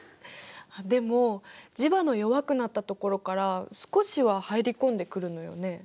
でも磁場の弱くなったところから少しは入り込んでくるのよね。